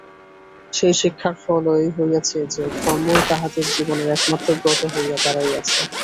সেই শিক্ষার ফলও এই হইয়াছে যে, ধর্মই তাহাদের জীবনের একমাত্র ব্রত হইয়া দাঁড়াইয়াছে।